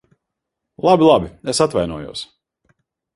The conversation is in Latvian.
Labi, labi. Es atvainojos.